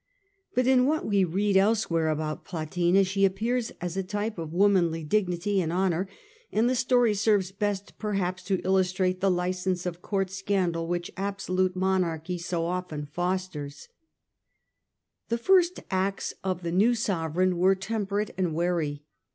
But in what we read elsewhere about Plotina she appears as a type of womanly dignity and honour, and the story serves best peril ips to illustrate the licence of court scandal which absolute monarchy so often fosters, Hadrian, 51 117 138. The first acts of the new sorereign were temperate and wary.